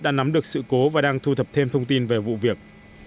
đã nắm được sự cố và đang thu thập thêm thông tin về vụ việc